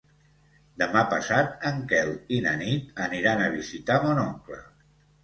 Demà passat en Quel i na Nit aniran a visitar mon oncle.